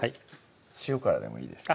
塩からでもいいですか？